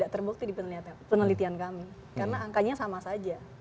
karena angkanya sama saja